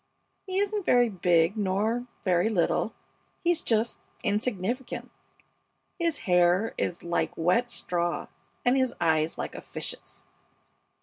He isn't very big nor very little; he's just insignificant. His hair is like wet straw, and his eyes like a fish's.